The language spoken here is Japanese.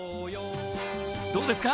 どうですか？